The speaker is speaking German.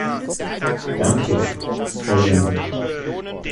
Danke, Herr Wynn.